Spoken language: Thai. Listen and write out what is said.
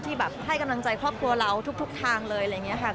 ที่แบบให้กำลังใจครอบครัวเราทุกทางเลยอะไรอย่างนี้ค่ะ